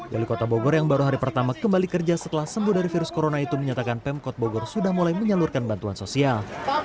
wali kota bogor yang baru hari pertama kembali kerja setelah sembuh dari virus corona itu menyatakan pemkot bogor sudah mulai menyalurkan bantuan sosial